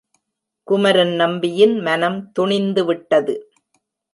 குமரன்நம்பியின் மனம் துணிந்து விட்டது.